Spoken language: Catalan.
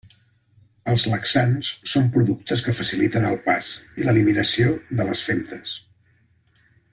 Els laxants són productes que faciliten el pas i l'eliminació de les femtes.